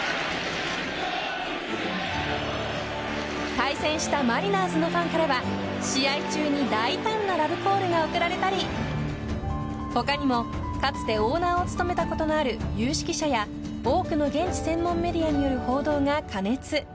対戦したマリナーズのファンからは試合中に大胆なラブコールが送られたり他にも、かつてオーナーを務めたことがある有識者や多くの現地専門メディアによる報道が過熱。